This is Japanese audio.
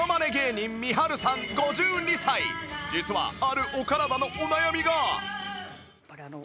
実はあるお体のお悩みが